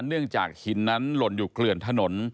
เนื่องจากหินนั้นหล่นอยู่เกลื่อนถนน